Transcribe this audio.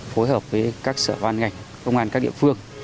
phối hợp với các sở ban ngành công an các địa phương